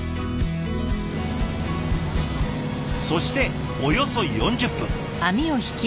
そしておよそ４０分。